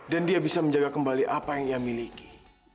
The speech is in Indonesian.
dan dia bisa menjaga kembali apa yang ia miliki